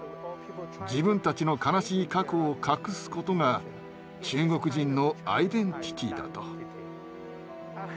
自分たちの悲しい過去を隠すことが中国人のアイデンティティーだと。